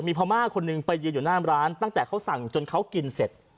มีพม่าคนหนึ่งไปยืนอยู่หน้าร้านตั้งแต่เขาสั่งจนเขากินเสร็จ